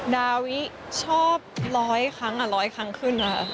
ดาวิชอบร้อยครั้งร้อยครั้งขึ้น